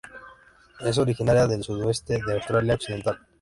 Es originaria del sudoeste de Australia Occidental.